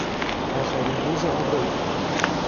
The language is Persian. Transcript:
آخرین روز عمر او